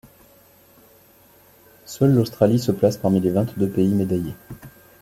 Seule l'Australie se place parmi les vingt-deux pays médaillés.